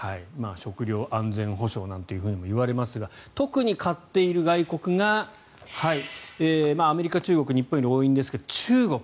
食料安全保障なんていうふうにも言われますが特に買っている外国がアメリカ、中国は日本より多いんですが中国。